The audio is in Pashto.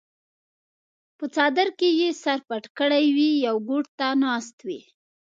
پۀ څادر کښې ئې سر پټ کړے وي يو ګوټ ته ناست وي